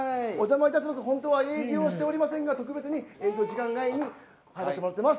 本当は営業しておりませんが特別に営業時間外に入らせてもらいます。